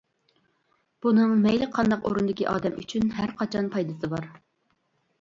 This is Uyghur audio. بۇنىڭ مەيلى قانداق ئورۇندىكى ئادەم ئۈچۈن ھەرقاچان پايدىسى بار.